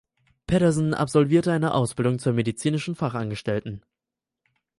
Petersen absolvierte eine Ausbildung zur medizinischen Fachangestellten.